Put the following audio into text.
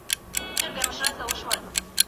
ستا د قد د بامیکان ولاړ بودا وم